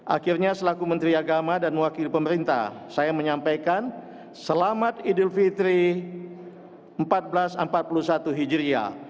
akhirnya selaku menteri agama dan mewakili pemerintah saya menyampaikan selamat idul fitri seribu empat ratus empat puluh satu hijriah